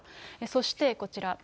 そして、こちら。